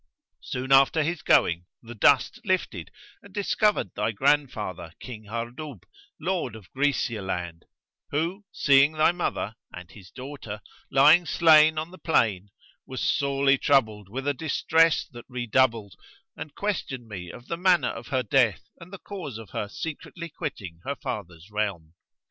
Soon after his going, the dust lifted and discovered thy grandfather, King Hardub, Lord of Grćcia land, who, seeing thy mother (and his daughter) lying slain on the plain, was sorely troubled with a distress that redoubled, and questioned me of the manner of her death and the cause of her secretly quitting her father's realm.